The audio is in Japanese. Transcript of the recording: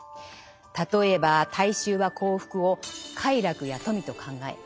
例えば大衆は幸福を「快楽」や「富」と考える。